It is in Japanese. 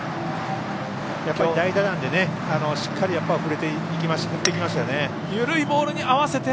代打なのでしっかり振っていきましたね。